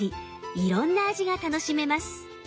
いろんな味が楽しめます。